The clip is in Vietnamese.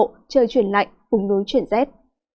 trời chuyển lạnh vùng núi chuyển rét